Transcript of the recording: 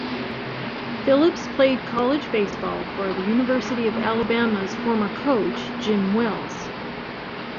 Phillips played college baseball for the University of Alabama's former coach, Jim Wells.